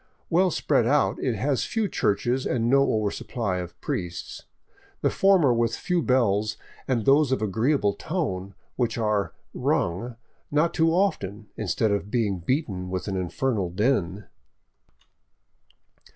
Well spread out, it has few churches and no over supply of priests, 6io SOUTHWARD THROUGH GUARANI LAND the former with few bells and those of agreeable tone, which are rung, not too often, instead of being beaten with an infernal din.